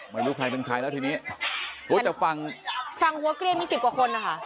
ไม่รู้ใครเป็นใครแล้วทีนี้โอ้แต่ฝั่งฝั่งหัวเกลียนมีสิบกว่าคนนะคะ